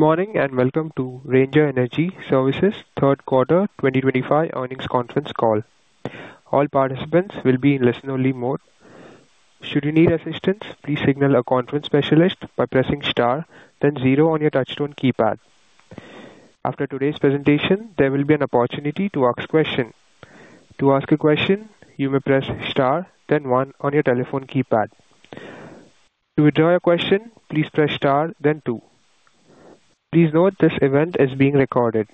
Good morning and welcome to Ranger Energy Services' third quarter 2025 earnings conference call. All participants will be in listen-only mode. Should you need assistance, please signal a conference specialist by pressing star then zero on your touchtone keypad. After today's presentation, there will be an opportunity to ask a question. To ask a question, you may press star then one on your telephone keypad. To withdraw your question, please press star then two. Please note this event is being recorded.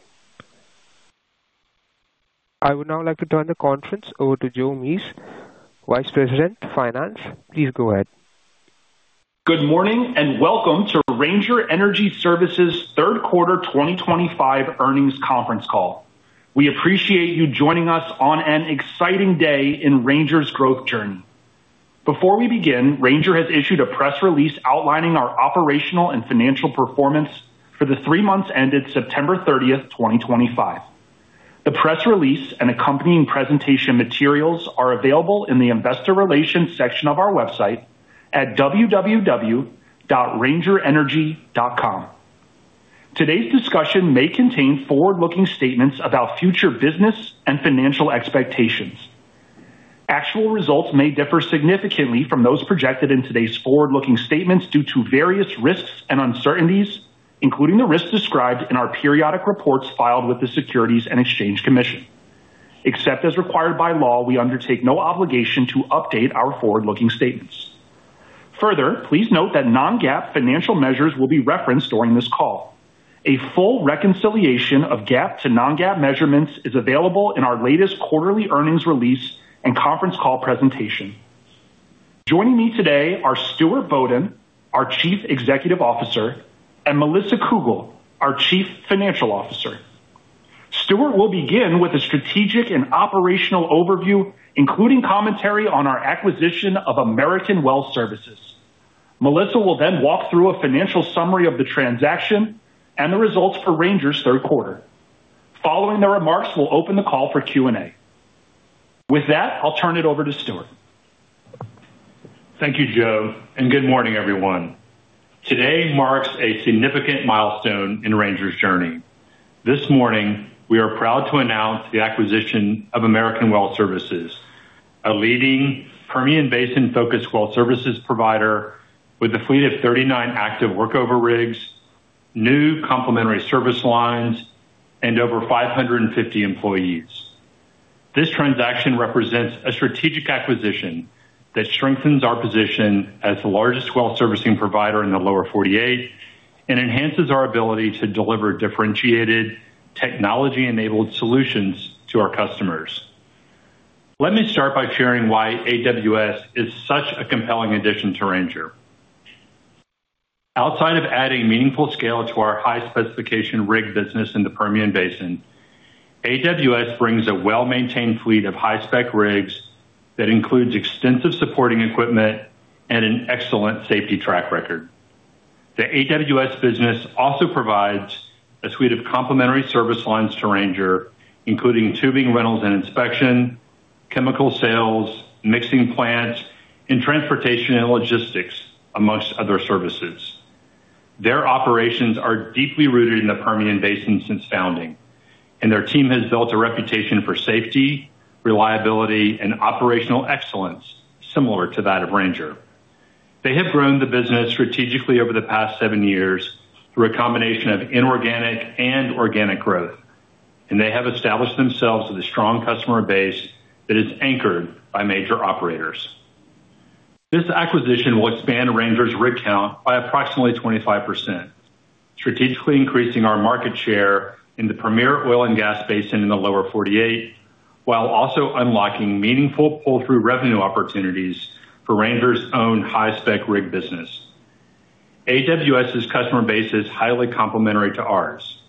I would now like to turn the conference over to Joe Mease, Vice President, Finance. Please go ahead. Good morning and welcome to Ranger Energy Services' third quarter 2025 earnings conference call. We appreciate you joining us on an exciting day in Ranger's growth journey. Before we begin, Ranger has issued a press release outlining our operational and financial performance for the three months ended September 30th, 2025. The press release and accompanying presentation materials are available in the investor relations section of our website at www.rangerenergy.com. Today's discussion may contain forward-looking statements about future business and financial expectations. Actual results may differ significantly from those projected in today's forward-looking statements due to various risks and uncertainties, including the risks described in our periodic reports filed with the Securities and Exchange Commission. Except as required by law, we undertake no obligation to update our forward-looking statements. Further, please note that non-GAAP financial measures will be referenced during this call. A full reconciliation of GAAP to non-GAAP measurements is available in our latest quarterly earnings release and conference call presentation. Joining me today are Stuart Bodden, our Chief Executive Officer, and Melissa Cougle, our Chief Financial Officer. Stuart will begin with a strategic and operational overview, including commentary on our acquisition of American Well Services. Melissa will then walk through a financial summary of the transaction and the results for Ranger's third quarter. Following their remarks, we'll open the call for Q&A. With that, I'll turn it over to Stuart. Thank you, Joe, and good morning, everyone. Today marks a significant milestone in Ranger's journey. This morning, we are proud to announce the acquisition of American Well Services, a leading Permian Basin-focused well services provider with a fleet of 39 active workover rigs, new complementary service lines, and over 550 employees. This transaction represents a strategic acquisition that strengthens our position as the largest well servicing provider in the lower 48 and enhances our ability to deliver differentiated, technology-enabled solutions to our customers. Let me start by sharing why AWS is such a compelling addition to Ranger. Outside of adding meaningful scale to our high-spec rig business in the Permian Basin, AWS brings a well-maintained fleet of high-spec rigs that includes extensive supporting equipment and an excellent safety track record. The AWS business also provides a suite of complementary service lines to Ranger, including tubing rentals and inspection, chemical sales, mixing plants, and transportation and logistics, amongst other services. Their operations are deeply rooted in the Permian Basin since founding, and their team has built a reputation for safety, reliability, and operational excellence similar to that of Ranger. They have grown the business strategically over the past seven years through a combination of inorganic and organic growth, and they have established themselves with a strong customer base that is anchored by major operators. This acquisition will expand Ranger's rig count by approximately 25%, strategically increasing our market share in the Permian Basin in the lower 48, while also unlocking meaningful pull-through revenue opportunities for Ranger's own high-spec rig business. AWS's customer base is highly complementary to ours.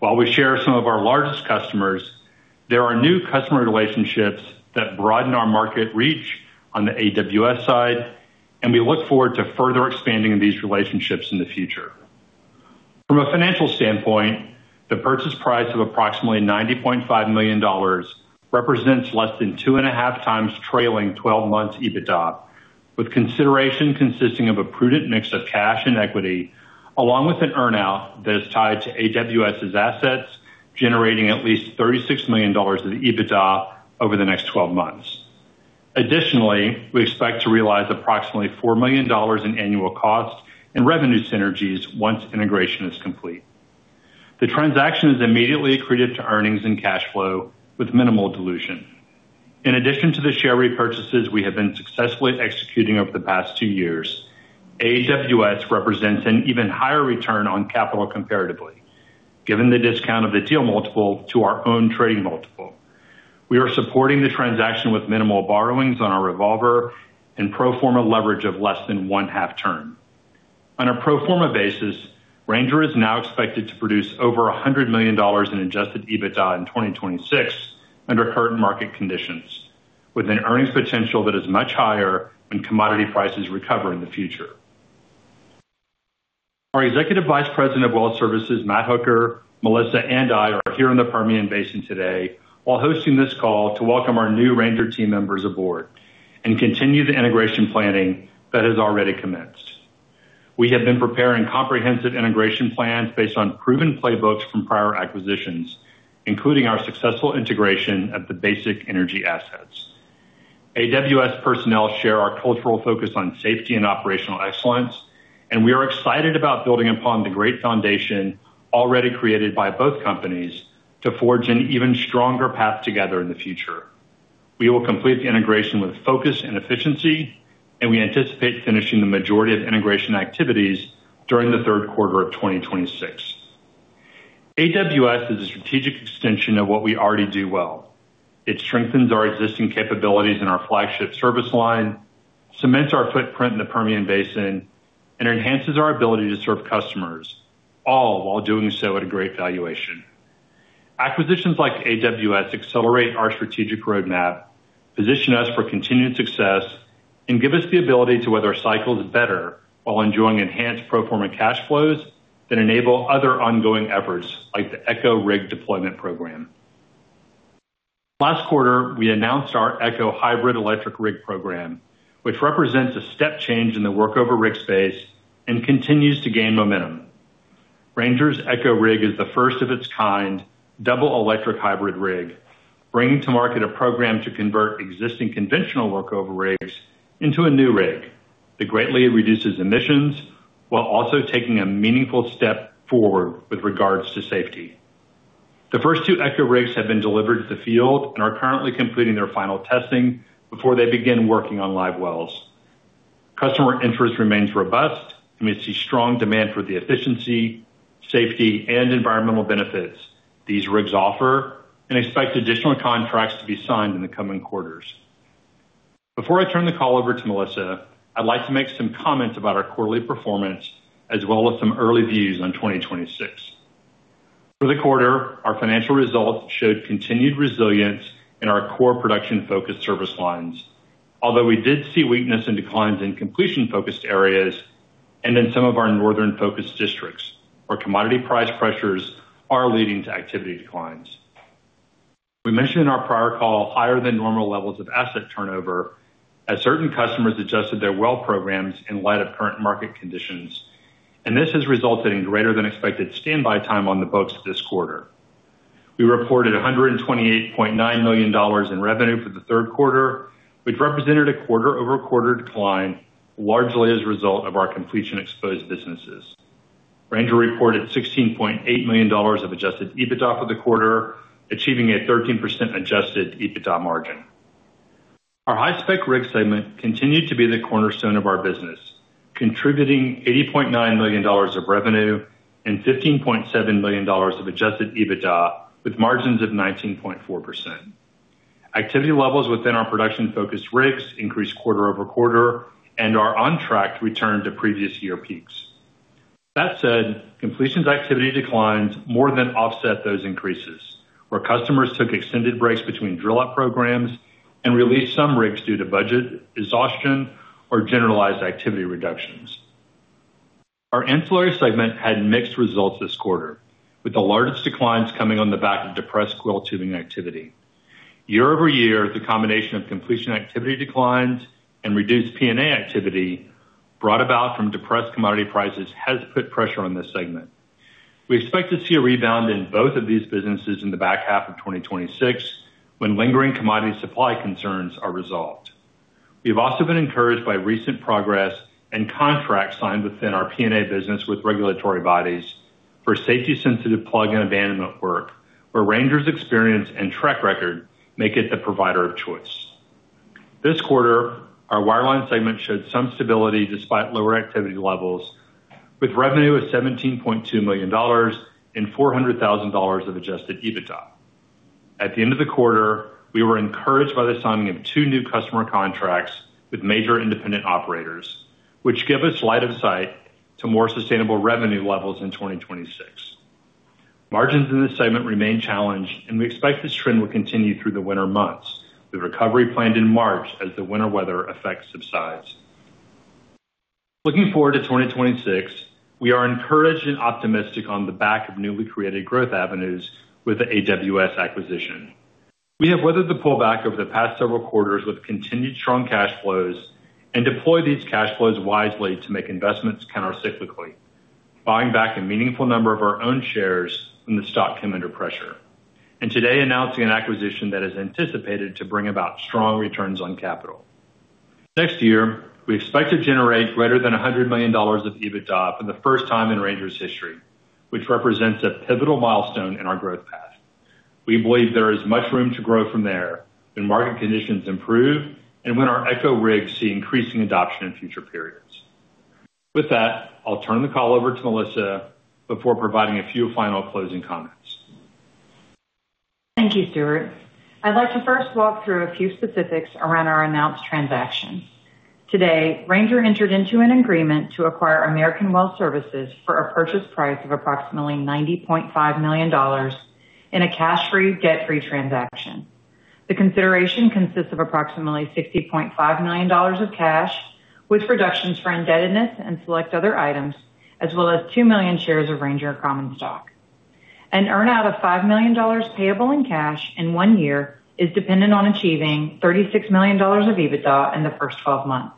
While we share some of our largest customers, there are new customer relationships that broaden our market reach on the AWS side, and we look forward to further expanding these relationships in the future. From a financial standpoint, the purchase price of approximately $90.5 million represents less than 2.5x trailing 12 months EBITDA, with consideration consisting of a prudent mix of cash and equity, along with an earnout that is tied to AWS's assets, generating at least $36 million of EBITDA over the next 12 months. Additionally, we expect to realize approximately $4 million in annual cost and revenue synergies once integration is complete. The transaction is immediately accretive to earnings and cash flow with minimal dilution. In addition to the share repurchases we have been successfully executing over the past two years, AWS represents an even higher return on capital comparatively, given the discount of the deal multiple to our own trading multiple. We are supporting the transaction with minimal borrowings on our revolver and pro forma leverage of less than one-half turn. On a pro forma basis, Ranger is now expected to produce over $100 million in adjusted EBITDA in 2026 under current market conditions, with an earnings potential that is much higher when commodity prices recover in the future. Our Executive Vice President of Well Services, Matt Hooker, Melissa, and I are here in the Permian Basin today while hosting this call to welcome our new Ranger team members aboard and continue the integration planning that has already commenced. We have been preparing comprehensive integration plans based on proven playbooks from prior acquisitions, including our successful integration of the Basic Energy assets. AWS personnel share our cultural focus on safety and operational excellence, and we are excited about building upon the great foundation already created by both companies to forge an even stronger path together in the future. We will complete the integration with focus and efficiency, and we anticipate finishing the majority of integration activities during the third quarter of 2026. AWS is a strategic extension of what we already do well. It strengthens our existing capabilities in our flagship service line, cements our footprint in the Permian Basin, and enhances our ability to serve customers, all while doing so at a great valuation. Acquisitions like AWS accelerate our strategic roadmap, position us for continued success, and give us the ability to weather cycles better while enjoying enhanced pro forma cash flows that enable other ongoing efforts like the ECHO rig deployment program. Last quarter, we announced our ECHO hybrid electric rig program, which represents a step change in the workover rig space and continues to gain momentum. Ranger's ECHO rig is the first of its kind, double electric hybrid rig, bringing to market a program to convert existing conventional workover rigs into a new rig that greatly reduces emissions while also taking a meaningful step forward with regards to safety. The first two ECHO rigs have been delivered to the field and are currently completing their final testing before they begin working on live wells. Customer interest remains robust, and we see strong demand for the efficiency, safety, and environmental benefits these rigs offer, and expect additional contracts to be signed in the coming quarters. Before I turn the call over to Melissa, I'd like to make some comments about our quarterly performance as well as some early views on 2026. For the quarter, our financial results showed continued resilience in our core production-focused service lines, although we did see weakness and declines in completion-focused areas and in some of our northern-focused districts, where commodity price pressures are leading to activity declines. We mentioned in our prior call higher-than-normal levels of asset turnover as certain customers adjusted their well programs in light of current market conditions, and this has resulted in greater-than-expected standby time on the books this quarter. We reported $128.9 million in revenue for the third quarter, which represented a quarter-over-quarter decline largely as a result of our completion-exposed businesses. Ranger reported $16.8 million of adjusted EBITDA for the quarter, achieving a 13% adjusted EBITDA margin. Our high-spec rig segment continued to be the cornerstone of our business, contributing $80.9 million of revenue and $15.7 million of adjusted EBITDA, with margins of 19.4%. Activity levels within our production-focused rigs increased quarter-over-quarter and are on track to return to previous year peaks. That said, completions activity declines more than offset those increases, where customers took extended breaks between drill-out programs and released some rigs due to budget exhaustion or generalized activity reductions. Our ancillary segment had mixed results this quarter, with the largest declines coming on the back of depressed coiled tubing activity. Year over year, the combination of completion activity declines and reduced P&A activity brought about from depressed commodity prices has put pressure on this segment. We expect to see a rebound in both of these businesses in the back half of 2026 when lingering commodity supply concerns are resolved. We have also been encouraged by recent progress and contracts signed within our P&A business with regulatory bodies for safety-sensitive plug and abandonment work, where Ranger's experience and track record make it the provider of choice. This quarter, our wireline segment showed some stability despite lower activity levels, with revenue of $17.2 million and $400,000 of adjusted EBITDA. At the end of the quarter, we were encouraged by the signing of two new customer contracts with major independent operators, which gave us light of sight to more sustainable revenue levels in 2026. Margins in this segment remain challenged, and we expect this trend will continue through the winter months, with recovery planned in March as the winter weather effects subside. Looking forward to 2026, we are encouraged and optimistic on the back of newly created growth avenues with the AWS acquisition. We have weathered the pullback over the past several quarters with continued strong cash flows and deployed these cash flows wisely to make investments countercyclically, buying back a meaningful number of our own shares when the stock came under pressure, and today announcing an acquisition that is anticipated to bring about strong returns on capital. Next year, we expect to generate greater than $100 million of EBITDA for the first time in Ranger's history, which represents a pivotal milestone in our growth path. We believe there is much room to grow from there when market conditions improve and when our ECHO rigs see increasing adoption in future periods. With that, I'll turn the call over to Melissa before providing a few final closing comments. Thank you, Stuart. I'd like to first walk through a few specifics around our announced transaction. Today, Ranger entered into an agreement to acquire American Well Services for a purchase price of approximately $90.5 million in a cash-free, debt-free transaction. The consideration consists of approximately $60.5 million of cash with reductions for indebtedness and select other items, as well as two million shares of Ranger Common Stock. An earnout of $5 million payable in cash in one year is dependent on achieving $36 million of EBITDA in the first 12 months.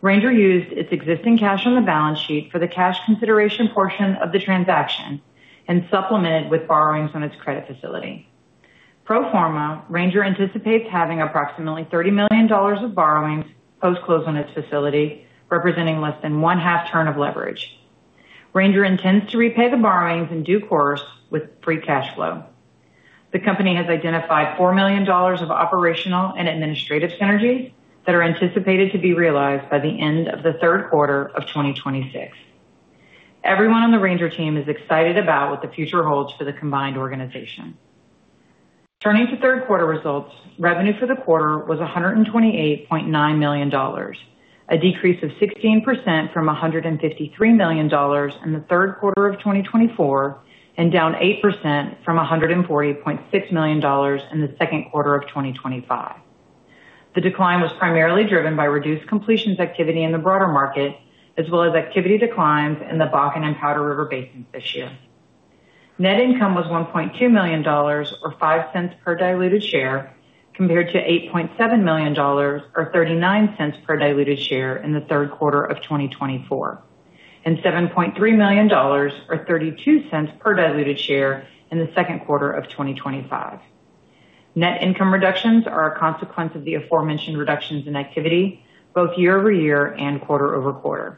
Ranger used its existing cash on the balance sheet for the cash consideration portion of the transaction and supplemented with borrowings on its credit facility. Pro forma, Ranger anticipates having approximately $30 million of borrowings post-close on its facility, representing less than one-half turn of leverage. Ranger intends to repay the borrowings in due course with free cash flow. The company has identified $4 million of operational and administrative synergies that are anticipated to be realized by the end of the third quarter of 2026. Everyone on the Ranger team is excited about what the future holds for the combined organization. Turning to third quarter results, revenue for the quarter was $128.9 million, a decrease of 16% from $153 million in the third quarter of 2024 and down 8% from $140.6 million in the second quarter of 2025. The decline was primarily driven by reduced completions activity in the broader market, as well as activity declines in the Bakken and Powder River Basin this year. Net income was $1.2 million, or $0.05 per diluted share, compared to $8.7 million, or $0.39 per diluted share in the third quarter of 2024, and $7.3 million, or $0.32 per diluted share in the second quarter of 2025. Net income reductions are a consequence of the aforementioned reductions in activity, both year over year and quarter over quarter.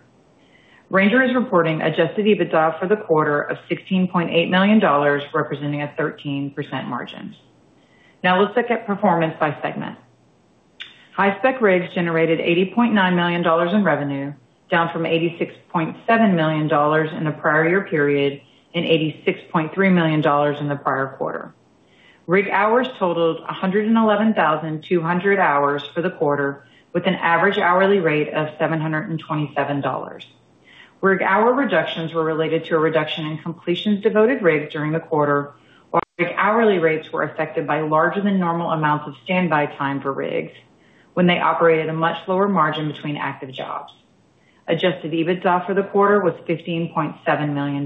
Ranger is reporting adjusted EBITDA for the quarter of $16.8 million, representing a 13% margin. Now let's look at performance by segment. High-spec rigs generated $80.9 million in revenue, down from $86.7 million in the prior year period and $86.3 million in the prior quarter. Rig hours totaled 111,200 hours for the quarter, with an average hourly rate of $727. Rig hour reductions were related to a reduction in completions devoted rigs during the quarter, while rig hourly rates were affected by larger-than-normal amounts of standby time for rigs when they operated a much lower margin between active jobs. Adjusted EBITDA for the quarter was $15.7 million.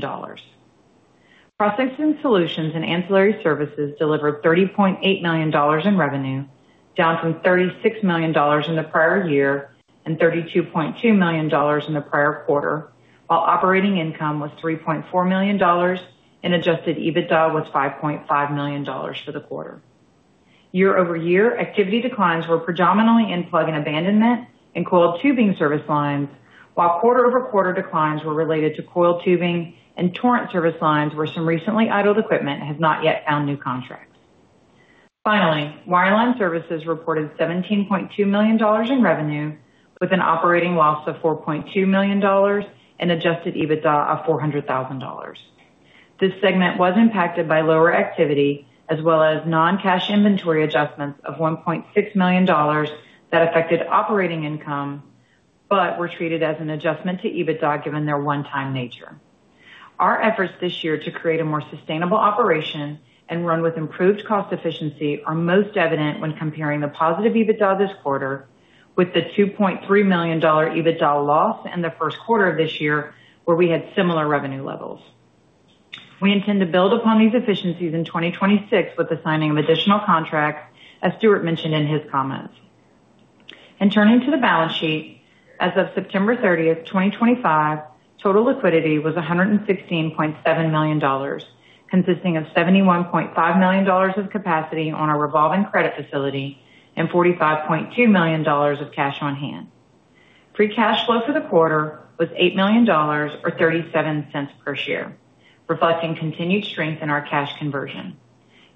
Prospecting Solutions and Ancillary Services delivered $30.8 million in revenue, down from $36 million in the prior year and $32.2 million in the prior quarter, while operating income was $3.4 million and adjusted EBITDA was $5.5 million for the quarter. Year over year, activity declines were predominantly in plug and abandonment and coiled tubing service lines, while quarter-over-quarter declines were related to coiled tubing and Torrent gas processing service lines, where some recently idled equipment has not yet found new contracts. Finally, Wireline Services reported $17.2 million in revenue, with an operating loss of $4.2 million and adjusted EBITDA of $400,000. This segment was impacted by lower activity, as well as non-cash inventory adjustments of $1.6 million that affected operating income but were treated as an adjustment to EBITDA given their one-time nature. Our efforts this year to create a more sustainable operation and run with improved cost efficiency are most evident when comparing the positive EBITDA this quarter with the $2.3 million EBITDA loss in the first quarter of this year, where we had similar revenue levels. We intend to build upon these efficiencies in 2026 with the signing of additional contracts, as Stuart mentioned in his comments. Turning to the balance sheet, as of September 30th, 2025, total liquidity was $116.7 million, consisting of $71.5 million of capacity on our revolving credit facility and $45.2 million of cash on hand. Pre-cash flow for the quarter was $8 million, or $0.37 per share, reflecting continued strength in our cash conversion.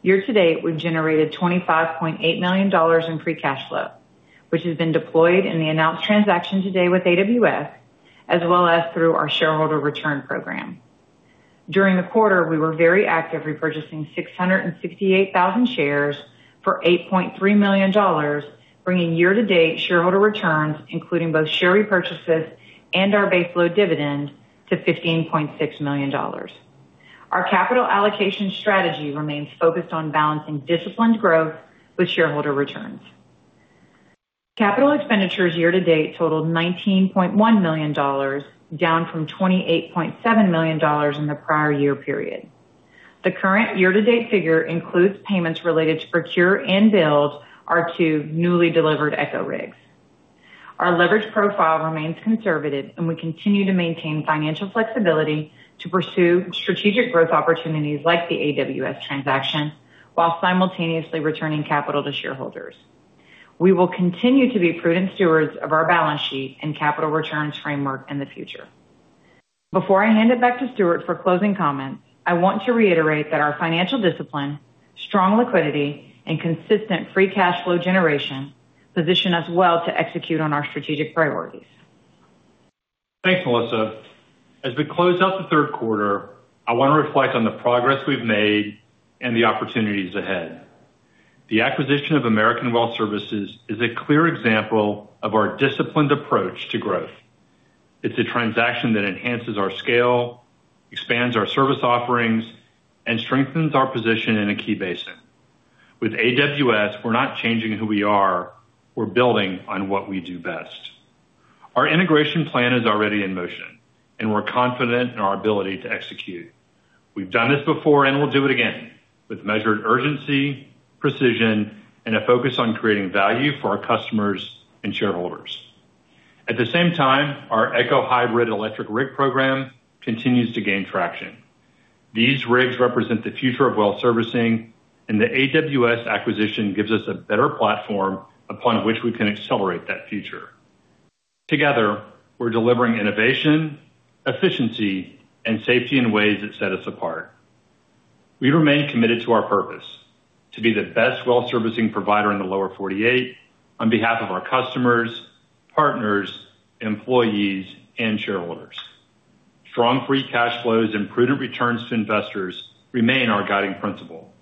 Year to date, we've generated $25.8 million in pre-cash flow, which has been deployed in the announced transaction today with American Well Services, as well as through our shareholder return program. During the quarter, we were very active, repurchasing 668,000 shares for $8.3 million, bringing year-to-date shareholder returns, including both share repurchases and our base load dividend, to $15.6 million. Our capital allocation strategy remains focused on balancing disciplined growth with shareholder returns. Capital expenditures year to date totaled $19.1 million, down from $28.7 million in the prior year period. The current year-to-date figure includes payments related to procure and build our two newly delivered ECHO rigs. Our leverage profile remains conservative, and we continue to maintain financial flexibility to pursue strategic growth opportunities like the AWS transaction, while simultaneously returning capital to shareholders. We will continue to be prudent stewards of our balance sheet and capital returns framework in the future. Before I hand it back to Stuart for closing comments, I want to reiterate that our financial discipline, strong liquidity, and consistent free cash flow generation position us well to execute on our strategic priorities. Thanks, Melissa. As we close out the third quarter, I want to reflect on the progress we've made and the opportunities ahead. The acquisition of American Well Services is a clear example of our disciplined approach to growth. It's a transaction that enhances our scale, expands our service offerings, and strengthens our position in a key basin. With AWS, we're not changing who we are; we're building on what we do best. Our integration plan is already in motion, and we're confident in our ability to execute. We've done this before, and we'll do it again, with measured urgency, precision, and a focus on creating value for our customers and shareholders. At the same time, our ECHO hybrid electric rig program continues to gain traction. These rigs represent the future of well servicing, and the AWS acquisition gives us a better platform upon which we can accelerate that future. Together, we're delivering innovation, efficiency, and safety in ways that set us apart. We remain committed to our purpose: to be the best well servicing provider in the lower 48 on behalf of our customers, partners, employees, and shareholders. Strong free cash flows and prudent returns to investors remain our guiding principle,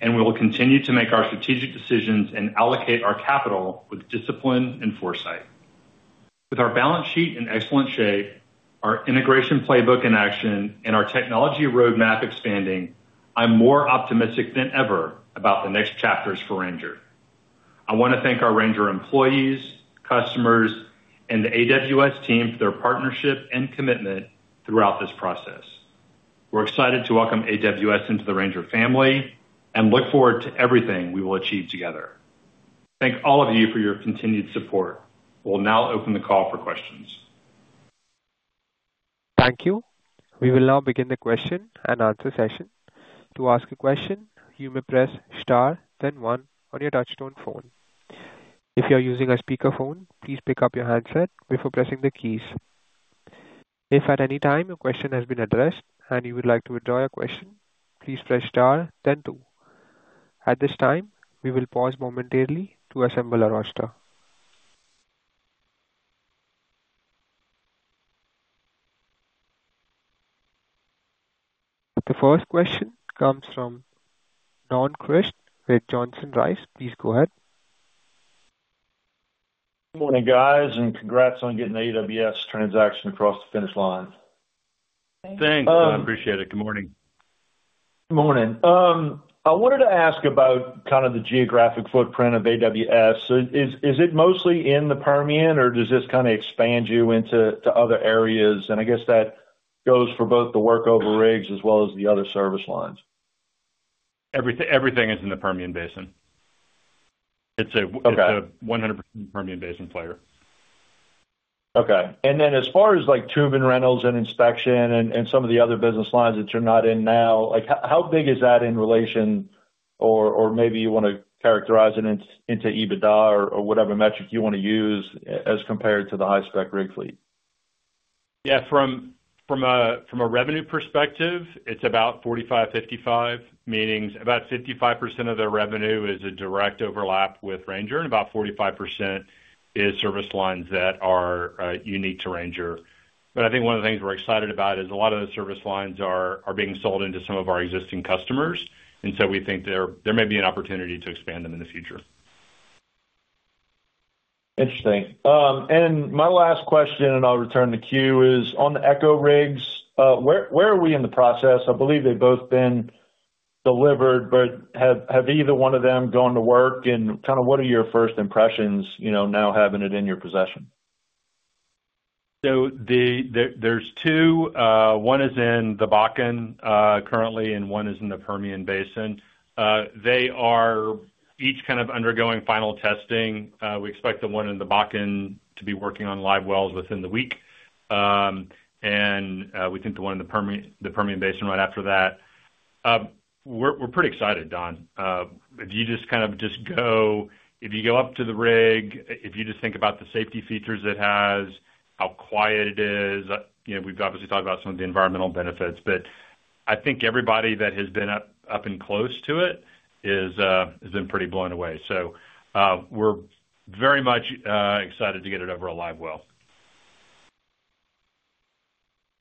and we will continue to make our strategic decisions and allocate our capital with discipline and foresight. With our balance sheet in excellent shape, our integration playbook in action, and our technology roadmap expanding, I'm more optimistic than ever about the next chapters for Ranger. I want to thank our Ranger employees, customers, and the AWS team for their partnership and commitment throughout this process. We're excited to welcome AWS into the Ranger family and look forward to everything we will achieve together. Thank all of you for your continued support. We'll now open the call for questions. Thank you. We will now begin the question and answer session. To ask a question, you may press star, then one on your touchstone phone. If you are using a speakerphone, please pick up your handset before pressing the keys. If at any time a question has been addressed and you would like to withdraw your question, please press star, then two. At this time, we will pause momentarily to assemble our roster. The first question comes from Don Crist with Johnson Rice. Please go ahead. Good morning, guys, and congrats on getting the AWS transaction across the finish line. Thanks. Thanks. I appreciate it. Good morning. Good morning. I wanted to ask about kind of the geographic footprint of AWS. Is it mostly in the Permian, or does this kind of expand you into other areas? I guess that goes for both the workover rigs as well as the other service lines. Everything is in the Permian Basin. It's a 100% Permian Basin player. Okay. And then as far as tubing rentals and inspection and some of the other business lines that you're not in now, how big is that in relation, or maybe you want to characterize it into EBITDA or whatever metric you want to use as compared to the high-spec rig fleet? Yeah. From a revenue perspective, it's about 45, 55, meaning about 55% of their revenue is a direct overlap with Ranger, and about 45% is service lines that are unique to Ranger. I think one of the things we're excited about is a lot of those service lines are being sold into some of our existing customers, and we think there may be an opportunity to expand them in the future. Interesting. My last question, and I'll return the cue, is on the ECHO rigs. Where are we in the process? I believe they've both been delivered, but have either one of them gone to work? What are your first impressions now having it in your possession? There are two. One is in the Bakken currently, and one is in the Permian Basin. They are each kind of undergoing final testing. We expect the one in the Bakken to be working on live wells within the week, and we think the one in the Permian Basin right after that. We're pretty excited, Don. If you just kind of go, if you go up to the rig, if you just think about the safety features it has, how quiet it is, we've obviously talked about some of the environmental benefits, but I think everybody that has been up and close to it has been pretty blown away. We're very much excited to get it over a live well.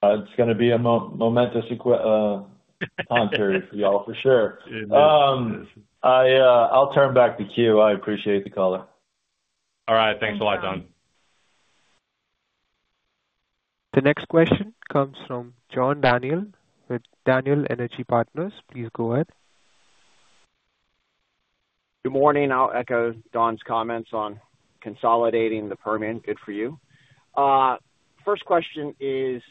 It's going to be a momentous concert for y'all, for sure. I'll turn back the cue. I appreciate the caller. All right. Thanks a lot, Don. The next question comes from John Daniel with Daniel Energy Partners. Please go ahead. Good morning. I'll echo Don's comments on consolidating the Permian. Good for you. First question is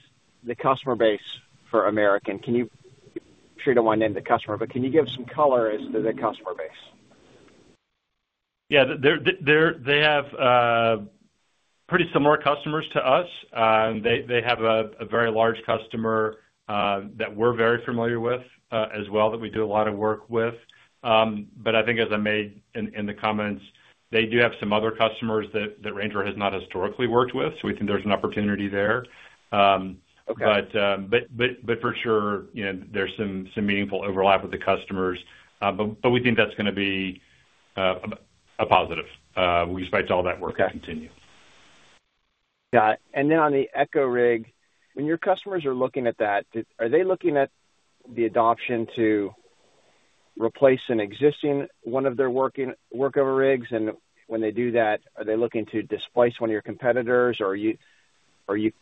the customer base for American. I'm sure you don't want to name the customer, but can you give some color as to their customer base? Yeah. They have pretty similar customers to us. They have a very large customer that we're very familiar with as well, that we do a lot of work with. I think, as I made in the comments, they do have some other customers that Ranger has not historically worked with, so we think there's an opportunity there. For sure, there's some meaningful overlap with the customers, but we think that's going to be a positive, despite all that work to continue. Got it. On the ECHO rig, when your customers are looking at that, are they looking at the adoption to replace an existing one of their workover rigs? When they do that, are they looking to displace one of your competitors, or is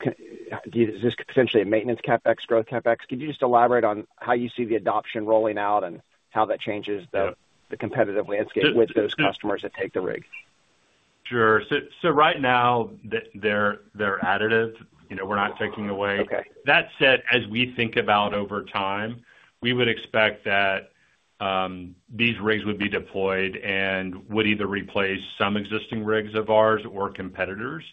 this potentially a maintenance CapEx, growth CapEx? Could you just elaborate on how you see the adoption rolling out and how that changes the competitive landscape with those customers that take the rig? Sure. So right now, they're additive. We're not taking away. That said, as we think about over time, we would expect that these rigs would be deployed and would either replace some existing rigs of ours or competitors.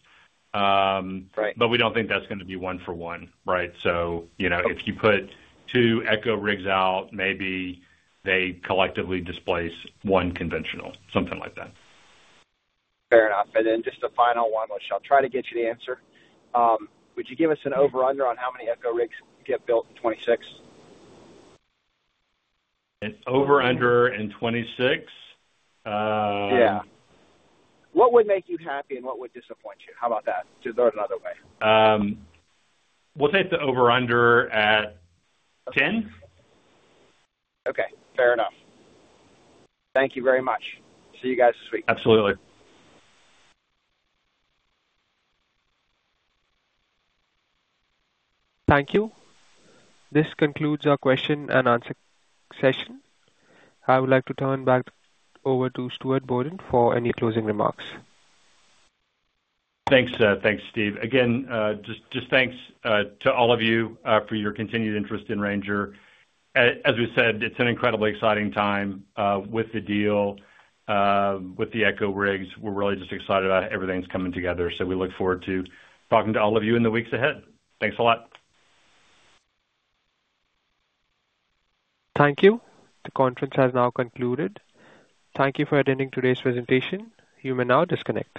But we don't think that's going to be one-for-one, right? So if you put two ECHO rigs out, maybe they collectively displace one conventional, something like that. Fair enough. And then just a final one, which I'll try to get you to answer. Would you give us an over/under on how many ECHO rigs get built in 2026? An over/under in 2026? Yeah. What would make you happy, and what would disappoint you? How about that? Just throw it another way. We'll take the over/under at 10. Okay. Fair enough. Thank you very much. See you guys this week. Absolutely. Thank you. This concludes our question and answer session. I would like to turn back over to Stuart Bodden for any closing remarks. Thanks, Steve. Again, just thanks to all of you for your continued interest in Ranger. As we said, it's an incredibly exciting time with the deal, with the ECHO rigs. We're really just excited about everything's coming together, so we look forward to talking to all of you in the weeks ahead. Thanks a lot. Thank you. The conference has now concluded. Thank you for attending today's presentation. You may now disconnect.